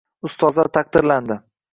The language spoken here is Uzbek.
Ustozlar taqdirlandi